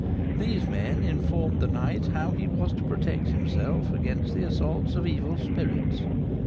These men informed the knight how he was to protect himself against the assaults of evil spirits.